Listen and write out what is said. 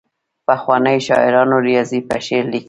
پخوانیو شاعرانو ریاضي په شعر لیکله.